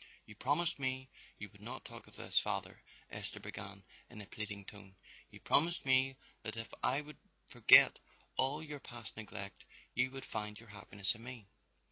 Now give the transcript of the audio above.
"You promised me you would not talk of this, father," Esther began in a pleading tone, "you promised me that if I would forget all your past neglect you would find your happiness in me."